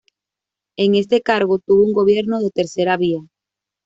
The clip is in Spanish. En este cargo tuvo un gobierno de ‘tercera vía’.